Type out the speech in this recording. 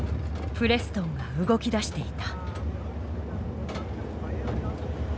プレストンが動き出していた。